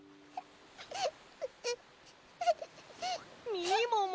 みもも。